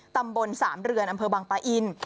ตำบลสามเรือนอำเภอบางปะอิน